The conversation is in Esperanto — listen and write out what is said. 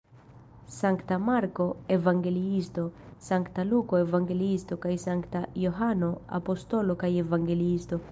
Sankta Marko evangeliisto, Sankta Luko evangeliisto kaj Sankta Johano apostolo kaj evangeliisto.